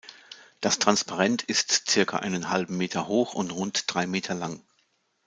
Das Transparent ist zirka einen halben Meter hoch und rund drei Meter lang.